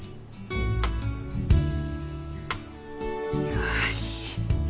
よし。